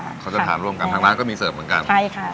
เขาจะทานร่วมกันทางร้านก็มีเสิร์ฟเหมือนกันใช่ค่ะ